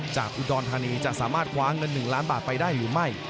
จากอุดรธานีจะสามารถคว้าเงิน๑ล้านบาทไปได้หรือไม่